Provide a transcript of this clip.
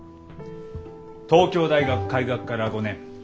東京大学開学から５年。